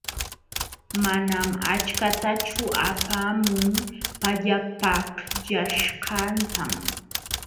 Manam achkatachu apaamun pallapaqllaśhqantam.